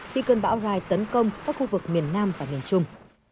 khi cơn bão rai tấn công các khu vực miền nam và miền trung